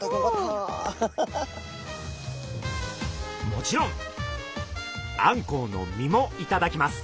もちろんあんこうの身もいただきます。